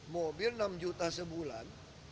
mobil enam juta sebulan